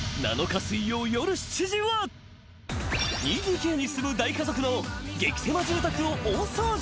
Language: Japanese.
［２ＤＫに住む大家族の激狭住宅を大掃除］